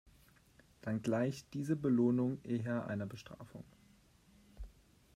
Dann gleicht diese Belohnung eher einer Bestrafung.